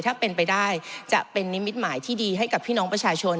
ถ้าเป็นไปได้จะเป็นนิมิตหมายที่ดีให้กับพี่น้องประชาชน